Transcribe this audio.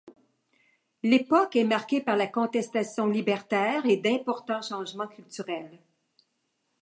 L’époque est marquée par la contestation libertaire et d’importants changements culturels.